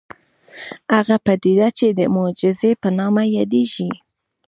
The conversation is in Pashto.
هغه پديده چې د معجزې په نامه يادېږي.